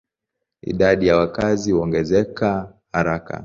Idadi ya wakazi huongezeka haraka.